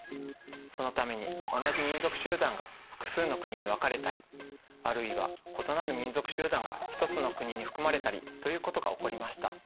そのために同じ民族集団が複数の国に分かれたりあるいは異なる民族集団が一つの国に含まれたりということが起こりました。